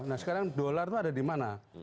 nah sekarang dolar itu ada di mana